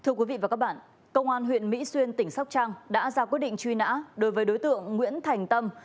thưa quý vị và các bạn công an huyện mỹ xuyên tỉnh sóc trăng đã ra quyết định truy nã đối với đối tượng nguyễn thành tâm